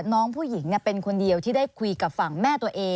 น้องผู้หญิงเป็นคนเดียวที่ได้คุยกับฝั่งแม่ตัวเอง